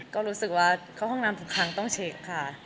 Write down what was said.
ก็รู้สึกว่าเข้าห้องน้ำทุกครั้งต้องเช็คค่ะ